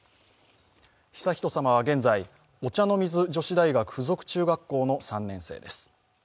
悠仁さまは現在、お茶の水女子大学附属中学校の３年生です。